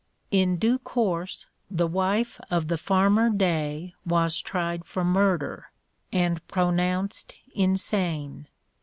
In due course the wife of the farmer Day was tried for murder, and pronounced insane.